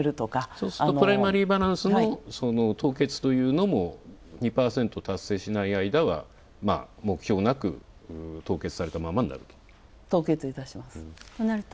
そうするとプライマリーバランスの凍結というのも２％達成しない間は目標なく凍結されたままにとなると。